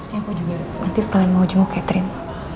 ya aku juga nanti setelah mau jemok catherine